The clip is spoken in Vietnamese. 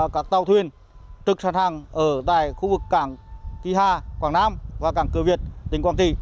các tàu thuyền tự sẵn sàng ở tại khu vực cảng kỳ hà quảng nam và cảng cửa việt tỉnh quảng tỉ